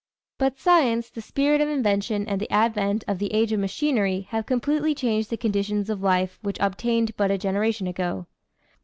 But science, the spirit of invention and the advent of the age of machinery have completely changed the conditions of life which obtained but a generation ago.